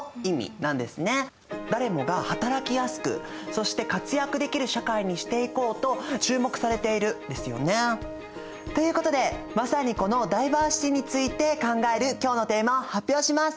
誰もが働きやすくそして活躍できる社会にしていこうと注目されているんですよね。ということでまさにこのダイバーシティについて考える今日のテーマを発表します。